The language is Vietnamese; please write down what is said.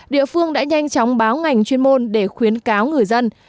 địa phương đã nhanh chóng báo ngành chuyên môn để khuyến cáo người dân